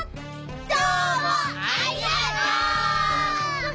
どうもありがとう！